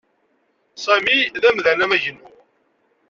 Sami d amdan amagnu.